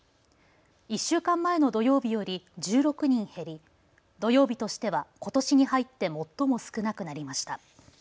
１週間前の土曜日より１６人減り、土曜日としてはことしに入って最も少なくなりました。